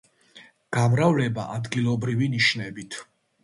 გამრავლება ადგილობრივი ნიშნებით